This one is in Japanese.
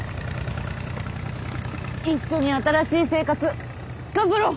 一緒に新しい生活頑張ろう！